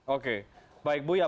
oke baik buya